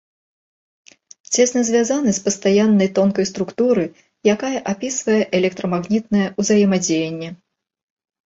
Цесна звязаны з пастаяннай тонкай структуры, якая апісвае электрамагнітнае ўзаемадзеянне.